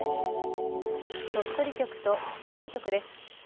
鳥取局と首都圏局です。